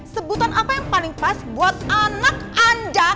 sebutan apa yang paling pas buat anak anda